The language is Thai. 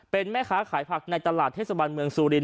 เป็นแม่ค้าขายผักในตลาดเทศบาลเมืองซูรินท